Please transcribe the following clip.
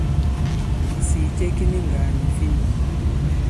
Kìsìì ce ki ni ŋgàà nì fin.